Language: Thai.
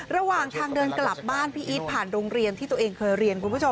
ระหว่างทางเดินกลับบ้านพี่อีทผ่านโรงเรียนที่ตัวเองเคยเรียนคุณผู้ชม